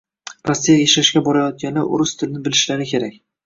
Rossiyaga ishlashga borayotganlar oʻris tilini bilishlari kerak